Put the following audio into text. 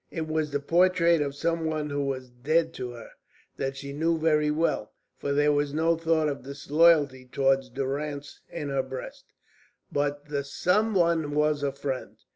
It was the portrait of some one who was dead to her that she knew very well, for there was no thought of disloyalty toward Durrance in her breast but the some one was a friend.